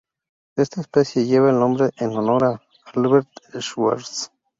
Esta especie lleva el nombre en honor a Albert Schwartz.